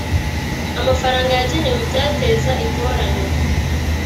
amafaranga yagenewe ibyateza ingorane